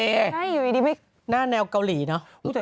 อะไรอยู่อีกดีน่าแนวกาลีเนอะ